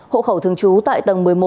hộ khẩu thường trú tại tầng một mươi một